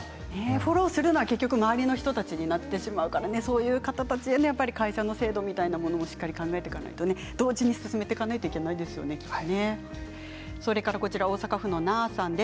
フォローするのは結局周りの人たちになってしまうからそういう方たちへの会社の制度もしっかり考えていかないと同時に進めていかないといけないですね、きっと。